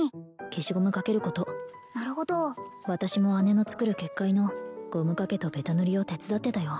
消しゴムかけることなるほど私も姉の作る結界のゴムかけとベタ塗りを手伝ってたよ